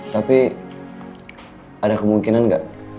tapi ada kemungkinan gak